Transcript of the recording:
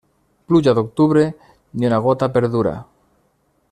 Pluja d'octubre, ni una gota perdura.